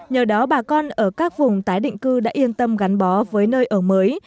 nhờ đó bà con ở các vùng tái định cư đã yên tâm gắn bó với nơi ở mới